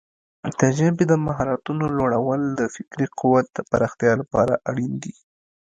د ژبې د مهارتونو لوړول د فکري قوت د پراختیا لپاره اړین دي.